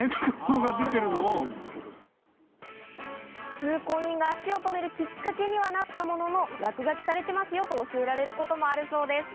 通行人が足を止めるきっかけにはなったものの、落書きされてますよと教えられることもあるそうです。